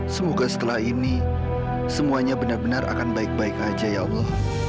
semoga setelah ini semuanya benar benar akan baik baik aja ya allah